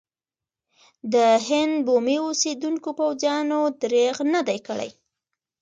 د هند بومي اوسېدونکو پوځیانو درېغ نه دی کړی.